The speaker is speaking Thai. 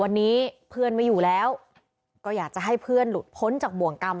วันนี้เพื่อนไม่อยู่แล้วก็อยากจะให้เพื่อนหลุดพ้นจากบ่วงกรรม